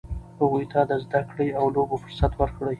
هغوی ته د زده کړې او لوبو فرصت ورکړئ.